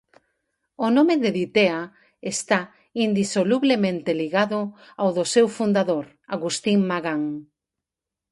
O nome de Ditea está indisolublemente ligado ao do seu fundador, Agustín Magán.